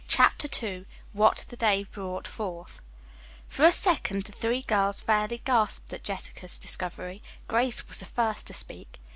CHAPTER II WHAT THE DAY BROUGHT FORTH For a second the three girls fairly gasped at Jessica's discovery. Grace was the first to speak.